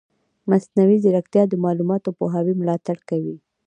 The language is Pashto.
مصنوعي ځیرکتیا د معلوماتي پوهاوي ملاتړ کوي.